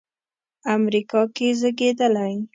امریکا کې زېږېدلی.